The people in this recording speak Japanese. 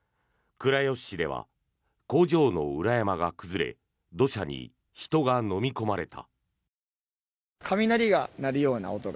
倉吉市では工場の裏山が崩れ土砂に人がのみ込まれた。